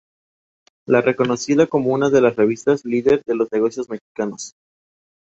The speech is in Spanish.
Es reconocida como una de las revistas líder de los negocios mexicanos.